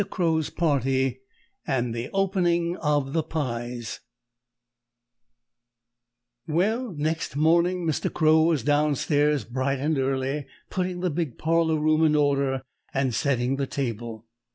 CROW'S PARTY AND THE OPENING OF THE PIES Well, next morning Mr. Crow was down stairs bright and early, putting the big parlor room in order and setting the table.